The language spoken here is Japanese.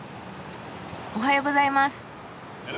おはようございます。